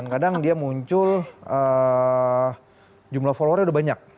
kadang dia muncul jumlah followernya udah banyak